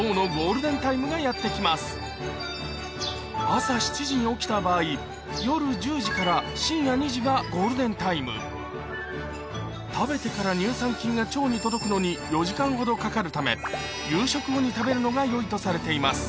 朝７時に起きた場合がゴールデンタイム食べてから乳酸菌が腸に届くのに４時間ほどかかるため夕食後に食べるのがよいとされています